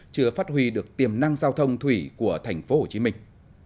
chưa phát huy được tiềm năng giao thông thủy của thành phố hồ chí minh